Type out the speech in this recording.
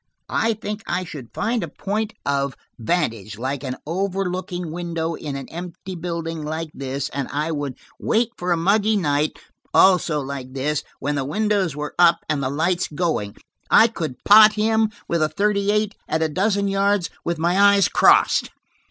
I think I should find a point of vantage, like an overlooking window in an empty building like this, and I would wait for a muggy night, also like this, when the windows were up and the lights going. I could pot him with a thirty eight at a dozen yards, with my eyes crossed."